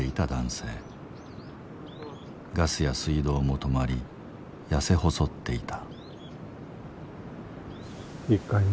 ガスや水道も止まりやせ細っていた。